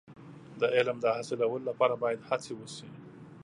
د علم د حاصلولو لپاره باید هڅې وشي.